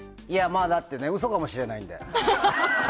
だって嘘かもしれないので。